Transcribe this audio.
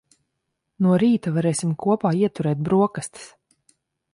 No rīta varēsim kopā ieturēt broksastis.